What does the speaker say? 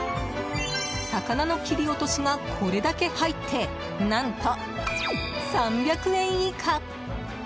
魚の切り落としがこれだけ入って何と、３００円以下。